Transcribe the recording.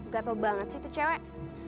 gatel banget sih itu cewek